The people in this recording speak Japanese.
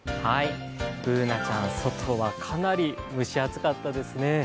Ｂｏｏｎａちゃん、外はかなり蒸し暑かったですね。